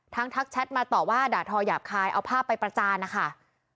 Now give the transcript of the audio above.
ทักแชทมาต่อว่าด่าทอหยาบคายเอาภาพไปประจานนะคะ